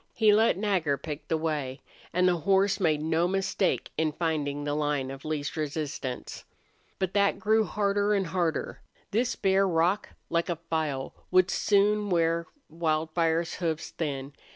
He let Nagger pick the way, and the horse made no mistake in finding the line of least resistance. But that grew harder and harder. This bare rock, like a file, would soon wear Wildfire's hoofs thin.